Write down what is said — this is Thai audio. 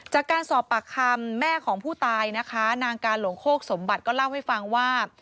จากการสอบปากคำแม่ของผู้ตายนะคะนางการหลงโคกสมบัติก็เล่าให้ฟังว่า